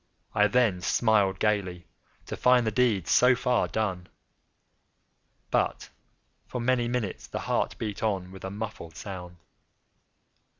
I then smiled gaily, to find the deed so far done. But, for many minutes, the heart beat on with a muffled sound.